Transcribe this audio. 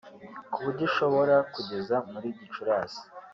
ku buryo ishobora kugeza muri Gicurasi